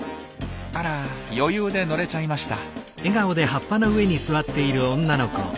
あら余裕で乗れちゃいました。